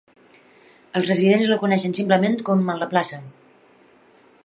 Els residents la coneixen simplement com a "la Plaça".